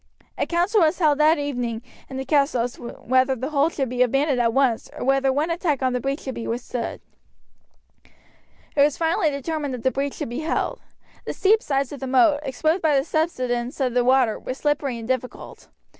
A council was held that evening in the castle as to whether the hold should be abandoned at once or whether one attack on the breach should be withstood. It was finally determined that the breach should be held. The steep sides of the moat, exposed by the subsidence of the water, were slippery and difficult.